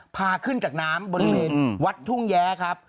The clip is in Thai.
พาขึ้นจากน้ำบริเวณวัดทุ่งแย้ครับ